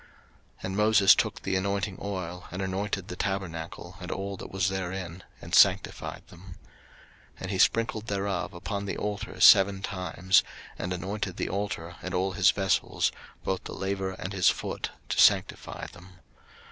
03:008:010 And Moses took the anointing oil, and anointed the tabernacle and all that was therein, and sanctified them. 03:008:011 And he sprinkled thereof upon the altar seven times, and anointed the altar and all his vessels, both the laver and his foot, to sanctify them.